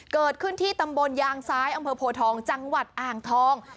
เกิดขึ้นที่ตำบลยางซ้ายอำเภอโพทองจังหวัดอ่างทอง